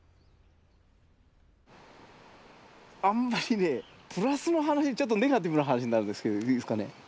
あんまりねプラスの話ちょっとネガティブな話になるんですけどいいですかね？